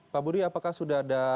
pak budi apakah sudah ada